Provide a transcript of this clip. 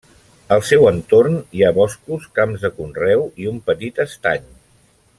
Al seu entorn hi ha boscos, camps de conreu i un petit estany.